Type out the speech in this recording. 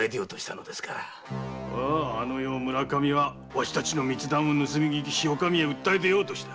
あの夜村上はわしたちの密談を盗み聞きしお上へ訴え出ようとした。